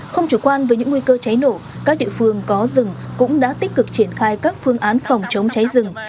không chủ quan với những nguy cơ cháy nổ các địa phương có rừng cũng đã tích cực triển khai các phương án phòng chống cháy rừng